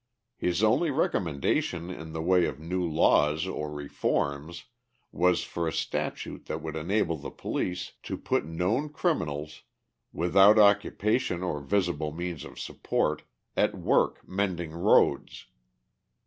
His only recommendation in the way of new laws or reforms was for a statute that would enable the police to put known criminals, without occupation or visible means of support, at work mending roads.